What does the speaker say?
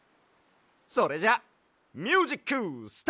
それじゃあミュージックスタート！